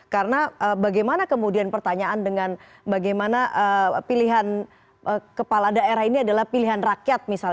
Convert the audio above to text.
karena bagaimana kemudian pertanyaan dengan bagaimana pilihan kepala daerah ini adalah pilkada